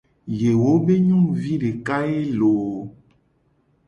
Yewo be nyonuvi deka ye loo.